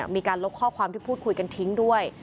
มีการลบข้อความที่พูดคุยกันทิ้งด้วย